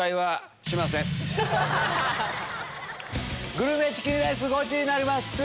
グルメチキンレースゴチになります！